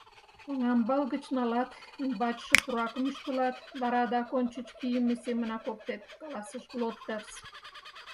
— Оҥамбал гыч налат, ӱмбачше пуракым ӱштылат, вара адак ончыч кийыме семынак оптет, — каласыш Глоттерс.